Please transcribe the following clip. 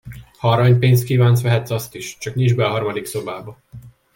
Ha aranypénzt kívánsz, vehetsz azt is, csak nyiss be a harmadik szobába.